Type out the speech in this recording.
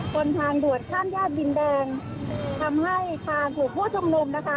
บนทางด่วนข้ามแยกดินแดงทำให้ทางกลุ่มผู้ชุมนุมนะคะ